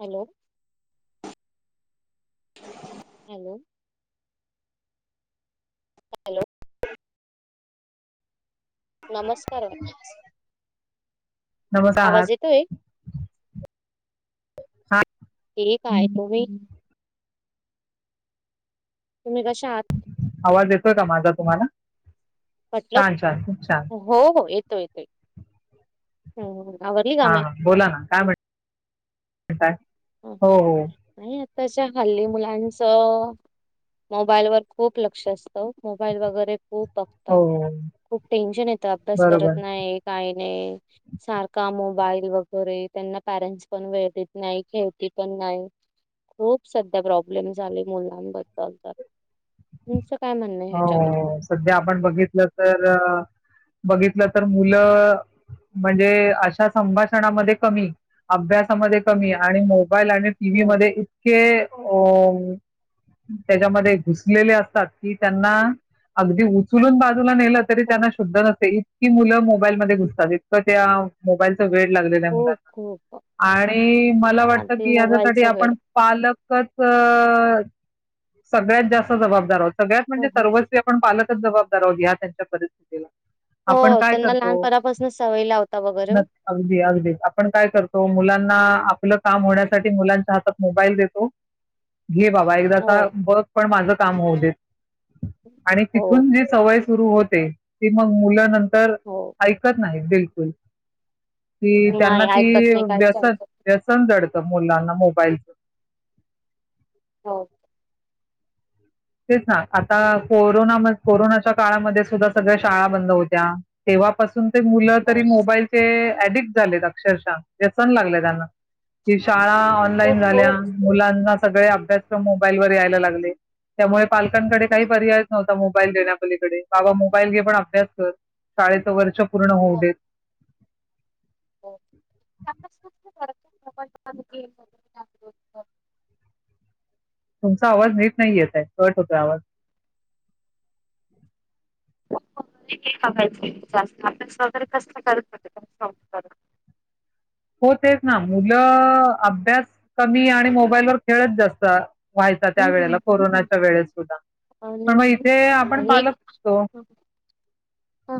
Hello, [inaudible] hello hello नमस्कार नमस्कार. आवाज येतोय? हा. ते काय तुम्ही? तुम्ही कशा आहात? आवाज येतोय का माझा तुम्हाला? म्हटलं, छान छान खूप छान हो हो एक तुटतोय. हा हा बोला ना काय म्हणता? ह. हम, हम नाही त्याच्याखाली मुलांचं मोबाईलवर खूप लक्ष असतं. मोबाईल वगैरे खूप बघता. हो हो खूप टेन्शन येतं, अभ्यास करत बरोबर नाही. काही नाही. आणि सारख मोबाईल वगैरे त्यांना पॅरेंटस पण वेळ देत नाही. ठेवती पण नाही खूप सध्या प्रॉब्लेम झाले मुलांबद्दल तर काय म्हणणं आहे ह्याच्यावरती? हो सध्या आपण बघितलं तर बघितलं तर मुलं म्हणजे अशा संभाषणामध्ये कमी अभ्यासामध्ये कमी आणि मोबाईल आणि टीव्ही हम्म. मध्ये इतके अ त्याच्यामध्ये घुसलेले असतात कि त्यांना अगदी चुलून बाजूला नेलं तरी हो. त्यांना शुद्ध नसेल की मुलं मोबाईल मध्ये घुसतात इतकं त्या मोबाईलचा वेळ लागलेल्या आहे खूप मुलांना खूप आणि मला आणि वाटतं ते की याच्यासाठी मोबाईलचा वेड. आपण पालकच सगळ्यात जास्त जबाबदार होत सगळ्यात हं, म्हणे हं. सर्वस्वी आपण पाल जबाबदारवी ह्या त्यांच्या परिस्थितीला आपण हो, काय त्यांना करतो लहानपणापासून सवय लावता वगैरे ओ. अगदी अगदी आपण काय करतो मुलांना आपलं काम होण्यासाठी मुलांच्या हातात मोबाईल देतो घे बाबा एकदासा हो. बघ पण माझं काम होऊ दे आणि हो, तिथून जी सवय सुरू हो, होते. मग मुल नं तर हो. ऐकत नाही दिल बकल कि त्यांना नाही ती ऐकत नाही, काहीच व्यसन ऐकत नाही. व्यसन जडते. मुलांना मोबाईलच के तेच ना आता कोरोना कोरोनाच्या काळामध्ये सुद्धा सगळ्या शाळा बंद होत्या. तेव्हापासून मुलं तरी हो. मोबाईलचे ऍडिट झालेत अक्षरशः व्यसन लागले त्यांना की शाळा खूप ऑनलाईन झाल्या खूप. मुलांना सगळे अभ्यासक्रम मोबाईलवर यायला लागले. त्यामुळे पालकांकडे काही हं. पर्याय नव्हते. मोबाईल देण्या पलीकडे बाबा मोबाईल घे पण अभ्यास कर. शाळेचे वर्ष पूर्ण होऊ हो, देत. हो. तुमचा आवाज नीट नाही येतय कट होतो आवाज यचं जास्त आपल्या सार कस करत होत कर हो तेच ना मुलं अभ्यास कमी आणि मोबाईलवर खेळत जास्त व्हायचा त्या हं, वेळेला हं, हं. कोरोनाच्या वेळेस सुद्धा आणि पण मग इथे आपण पालकतो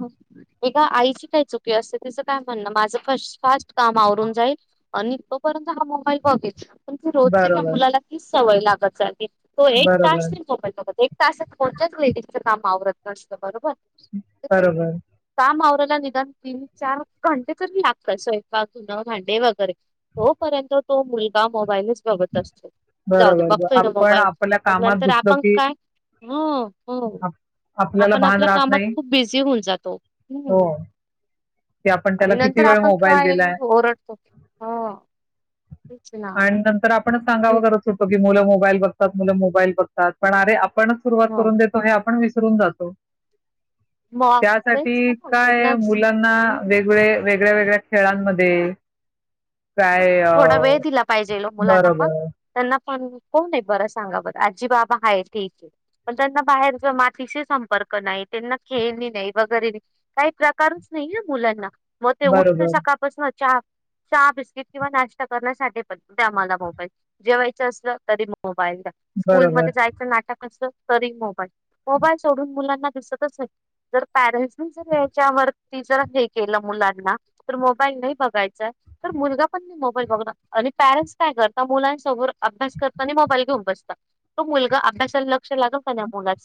ह एका आईची काय चुकी असते तिचं काय म्हणणं माझं [unintelligible] कामावरून जाईल. आणि तोपर्यंत ब रोज बरोबर मुलालाी सवय लागत ज तो एक बरोबर तासल त कोण लेज कामवरत [unintelligible] [unintelligible] कसत बरोबर बरोबर कामआवरल निदान तीन चार घंटे तरी लागतात स्वयंपाक धुन भांडे वगैरे तोपर्यंत तो मुलगा मोबाईलच बघत असतो. जाऊ दे बरोबर ब बघतोय ना आपण मोबाईल आपल्या कामात घुसलो की, ह आपल्याला भान राहत नाही. खूप बिझी होऊन जातो हो की आपण आणि त्याला नंतर किती वेळ आपण मोबाईल काय दिलाय ओरडतो हा विच ना ण सांगावं करत होतो की मु मोबाईल बघतात मुलं मोबाईल बघतात पण अरे ण सुरुवात हो करून देतो आहे आपण फरून जातो मग तेच त्यासाठी ना मग काय त्यांनाच मुलांना हम्म वेगळे वेगळ्या वेगळ्या खेळांमध्ये काय अ, थोडा वेळ दिला पाहिजे लो मुलांना पण बरोबर त्यां पण कोण आहे बर सांगा बर आजी बाबा आहे ठीक आहे पण त्यांना बाहेर मातीशी संपर्क नाही त्यांना खेळणी नाही वगैरे नाही काही प्रकारच नाही ना मुलांना मग ते उठत बरोबर सकाळपासून चहा चहा बिस्किट किंवा नाश् करण्यासाठी पण आम्हाला मोबाईल जेवायचं असलं तरी मोबाईलला बरोबर स्कूलमध्येध्ये जायचं नाटक अस तरी मोबाईल मोबाईल सोडून मुलांना परटच्यावरती जर हे केलं मुलांना तर मोबाईल नाही बघायचा तर मुलगा पण म मोबाईल बघणार आणि पॅरेंट्स काय करता मुलांसमोर अभ्यास करता आणि मोबाईल घेऊन बसत तो मुलगा अभ्यासाला लक्ष लागल का मुलाच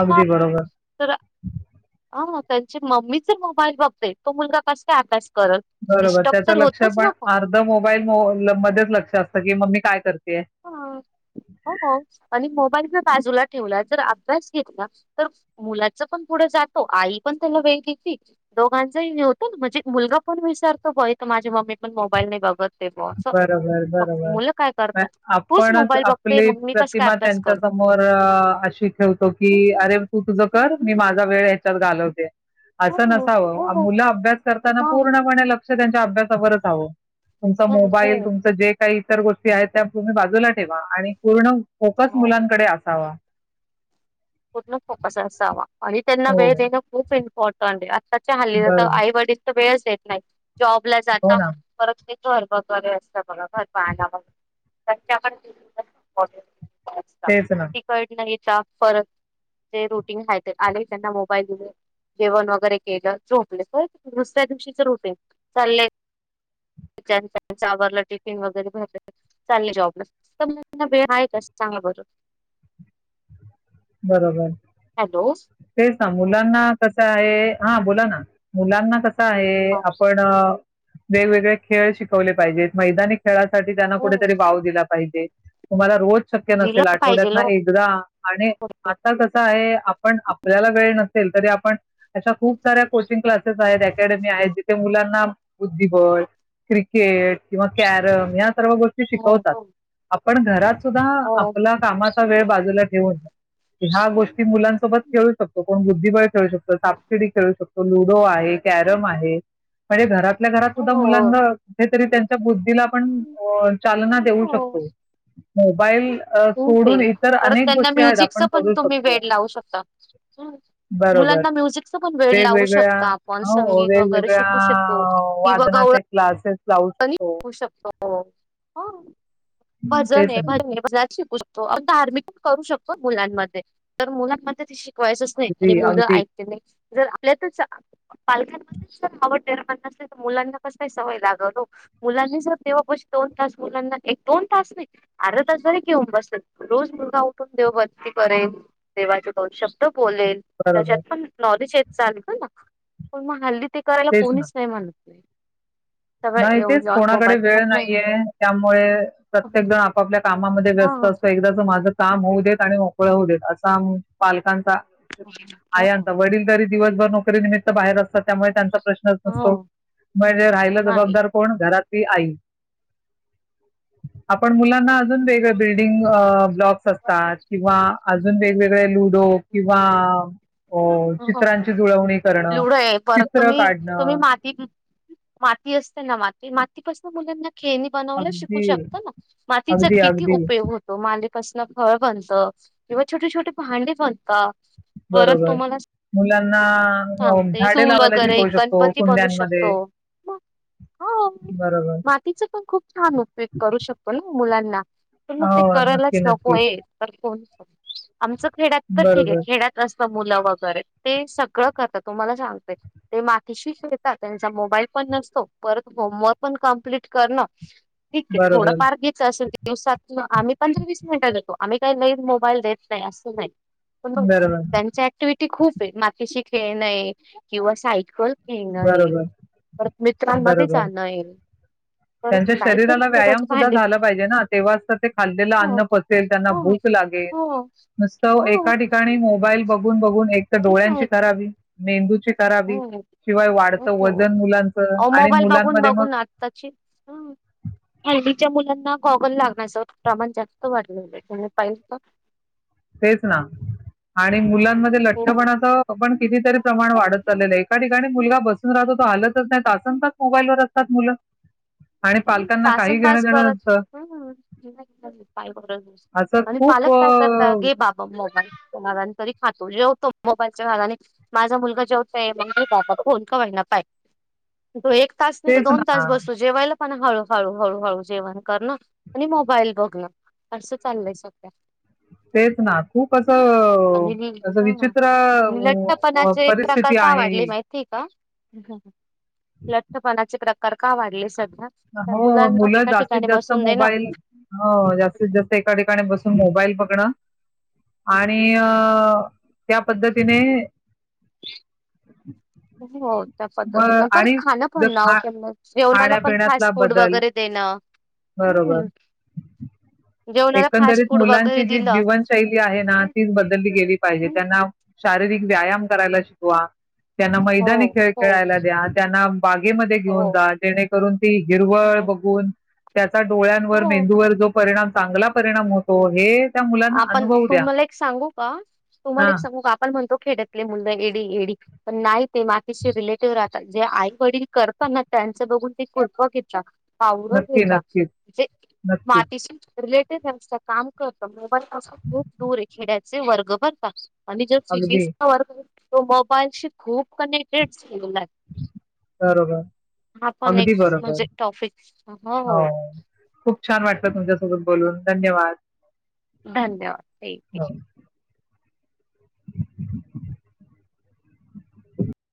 अगदी बरोबर हा त्यांची मम्मीच मोबाईल बपते तो मुलगा कस अभ्यास करल डिस्टर्ब तर होतच ना पण अर्ध मोबाईल मध्येच लक्ष असत मम्मी काय करते हा हो हो आणि मोबाईल बाजूला ठेवला जर अभ्यास घेतला तर मुलाच पण पुढे जातो आई पण त्याला वेग घेतती दोघांचा न होतो ना म्हणजे मुलगा पण विसारतो बय माझी मम्मी पण मोबाईल नाही बघत ते ब अस बरोबर, मग बरोबर. मुलं काय नाही करतात तूच आपणच मोबाईल बघतोय आपली मग मी कस काय प्रतिमा अभ्यास त्यांच्या करू. समोर अशी ठेवतो की अरे तू तुझं कर मी माझा वेळ ह्याच्यात घालव असं हो हो नसावं हो मुलं अभ्यास करताना पूर्णपणे लक्ष त्यांच्या अभ्यासावरच हवं मोबाईल तुमचं जे काही गोष्टी आहेत त्या तुम्ही बाजूला ठेवा आणि पूर्ण फोकस मुलांकडे आसावा. पूर्ण फोकस असावा आणि त्यांना हो, वेळ देणं खूप इम्पॉर्टंट आहे. ते हल्ली आता बरोबर. आईवडील तर वेळच. देत नाहीत. जॉब ला हो जाता ना. परत ते. घर बगरे असत बघा घर पागच्या प [unintelligible] [unintelligible] तेच ना. तिकड नाही चा फरक. ते रुटीन खाय ते आले त्यांना मोबाईल दिल जेवण वगैरे केल झोपले परत दुसऱ्या दिवशीच रुटीन चालय. त्या त्यांचं आवरलं टिफीन वगैरे झाला चाले जॉब ला वेळ आहे. कसं सांगा बर. बरोबर. तेच ना मुलांना कसं आहे. हा बोला ना मुलांना कस. आहे आपण. वेगवेगळे खेळ शिकवले पाहिजेत मैदानी. खेळासाठी त्यांना हो कुठेतरी वाव दिला पाहिजे. तुम्हाला रोज. शक्य लिहिलं नसेल आठवड्यात पाहिजेल ना ओ एकदा आणि. आता कसं आहे. आपण आपल्याला वेळ. असेल तरी आपण. अशा खूप साऱ्या कोचिंग क्लासेस आहेत. अकॅडमी आहे. जिथे मुलांना बुद्धिबळ क्रिकेट किंवा कॅरम या सर्व गोष्टी शिकवतात हो आग पण घरात. सुद्धा हो आपला कामाचा वेळ. बाजूला ठेवून. ह्या गोष्टी मुलांसोबत खेळू शकतो. कोण बुद्धिबळ खेळू शकतो, सापशिडी खेळू शकतो, लुडो आहे. कॅरम आहे. म्हणजे घरात. आपल्या घरात सुद्धा हो मुलांना हेच. तरी त्यांच्या बुद्ध तिला पण होय चालना देऊ हो शकतो. मोबाईल. अ खूप सोडून आहे इतर परत अनेक त्यांना गोष्टी आहेत आप म्युझिकच पण तुम्ही वेड लावू शकता बरोबर मुलांना म्युझिक च पण वेड लावू वेगवेगळ्या शकता आपण हो संगीत वगैरे वेगवेगळ्या शिकू शकतो किंवा गवळ वादनाचे क्लासेस लावू [inaudible] शकतो भजन तेच आहे ना भजन आहे भजनात शिकू शकतो आपण धार्मिक करू हो मुलांमध्ये तर मुलांमध्ये ते शिक तू आहेसस नाही आणि अगदी मुलं अगदी ऐकत नाही. जर आपल्यातच पालकांमध्ये जर आवड निर्माण नसेल तर मुलांना कस काय सवय लागल ओ मुलांनी जर देवापाशी दोन तास, मुलांना एक दोन तास नाही, अर्धा तास जरी घेऊन बसल, रोज मुलगा उठून देव भक्ती करेल, देवाचे दोन शब्द बोलेल, त्याच्यात बरोबर पण नॉलेज आहेत. चालू कर ना, पण मग हल्ली ते करायला तेच ना कोणीच नाही मानत. नाही. तवय नाही तेच कोणाकडे वेळ नाहीये, त्यामुळे प्रत्येक जण आपापल्या कामात कामामध्ये व्यस्त हा असतय, एकदा च माझ काम होऊ देत आणि मोकळं होऊ देत असा आम्ही पालकांचा आई हा आता वडील तरी दिवसभर नोकरीनिमित्त बाहेर असतात. त्यामुळे त्यांचा प्रश्नच हो नसतो, म्हणजे राहिल नाही. जबाबदार कोण घरात? ती आई. आपण हो मुलांना अजून वेगळे बिल्डिंग ब्लॉक्स असतात किंवा अजून वेगवेगळे लू डो किंवा हो चित्रांची जुळवणी [unintelligible] करणं आहे परत चित्र तुम्ही तुम्ही काढणं माती माती असते ना माती? मातीपसून मुलांना खेळणी बनवायला शिकवू अगदी शकतं ना मातीचा अगदी किती अगदी उपयोग होतो [unintelligible] कसलं फळ बनतं किंवा छोटी छोटी भांडी बनतात. बरोबर मुलांना अ, सांगते झाडे चूल लावायला वगैरे शिकवू शकतो गणपती बनू शकतो, कुंड्यांमध्ये. हां बरोबर. मातीचा पण खूप छान उपयोग करू शकतो ना मुलांना पण मग ते हो, नक्की, करायलाच नको नक्की. आहे तर [unintelligible] आमचं खेड्यात तर ठीक आहे बरोबर, खेड्यात [unintelligible] मुलं वगैरे ते सगळं तुम्हाला सांगते ते मातीशी खेळात त्यांचा मोबाईल पण नसतो परत होमवर्क पण कप्ट करण ठीक आहे थोडं बरोबर, पार घ्यायचं असं दिवसात आम्ही पंधरा वीस मिनिटात घेतो आम्ही काही नवीन मोबाईल देत नाही असं नाही पण बरोबर, त्यांच्या ऍक्टिटी खूप आहे माती शिक खे नाही किंवा सायकल ये न येईल बरोबर, परत मित्रांमध्ये बरोबर. जाण येईल त्यांच्या शरीराला व्यायाम सुद्धा झाला पाहिजे ना तेव्हाच तर ते खाल्लेलं हो अन्न पसेल त्यांना हो भूक लागेल हो नुसतं एका हो ठिकाणी मोबाईल बघून बघून एक त्या डोळ्यांची नाही खराबी मेंदू करावी हो शिवाय वाढतं हो वजन मुलांच अहो आणि मोबाईल मुलांमध्ये मग आलच्या मुलांना गॉगल लागण्याचं प्रमाण जास्त वाढले पाहिल तेच ना आणि मुला हो लठ्ठपणाण कितीतरी प्रमाण हो वाढत चालेलं आहे एका मुलगा बसून राहतो तो आलतच नाहींतच मोबाईल व असतात मुलं आणि पालकांना काही घेणं सासंदास देणं परत नसतं पा ब असं आणि खूप पालक काय करता अ, गे बा मोबाईलच्या भागाने तरी खातो जेवतो मोबाईलच्या भागाने माझा मुलगा जेवतोय मग फोन कवाय ना पा तो एक तास नाही तो तेच दोन तास ना बसतो जेवायला पण हळूहळू हळूहळू जेवण करणं आणि मोबाईल बघणं असं चाललंय सगळ्या तेच ना, खूप असं आणि नि- अ असं अ हा. विचित्र आणि लठ्ठपणाचे प्रकार परिस्थिती का आहे. वाढले माहितीय [unintelligible] लठ्ठपणाचे प्रका तर का वाढले? सगळे हो मुलं जास्तीत जास्त देणं मोबाईल, हो जास्तीत जास्त एका ठिकाणी बस मोबाईल बघणं, आणि अ त्या पद्धतीने [inaudible] हो त्या म पद्धतीनं परत आणि खाणं ज पण ना हो खा त्यांना जेवणाला पण खाण्यापिण्यातला फास्ट फूड बदल, वगैरे देणं हम्म बरोबर जेवणाला फास्ट एकंदरीत फूड वगैरे मुलांची जी दिलं जीवनशैली आहे, ना तीच बदलली गेली पाहिजे हम्म. त्यांना शारीरिक व्यायाम करायला शिकवा. त्यांना हो मैदानी खेळ हो खेळायला द्या. त्यांना बागेमध्ये हो घेऊन जा, जेणेकरून ती हिरवळ हो बघून त्याचा डोळ्यांवर, हो. मेंदूवर, जो परिणाम, चांगला परिणाम होतो. हे त्या मुलांना आपण अनुभवू द्या तुम्हाला एक सांगू का? तुम्हाला हा एक सांगू का? आपण म्हणतो खेड्यातली मुलं एडी, एडी पण नाही ते माग रिलेटिव्ह राहतात. जे आई वडील करतात, ना त्यांच बघून ते कप घेत पाऊर नक्की नक्कीच घेलाे [unintelligible] नक्कीच मातीशी रिलेटेड काम कर [unintelligible] पण अस खूप दूर आहे खेड्यात वर्ग भरतात. आणि जर शशष अगदी वर तो मोबाईलशी खूप कनेक्टेड झालेला आहे. बरोबर. हा पण एक अगदी बरोबर. म्हणजे टॉपिक हो. खूप छान वाटत तू तुझा सोबत बोलून धन्यवाद. धन्यवाद ठीक हो आहे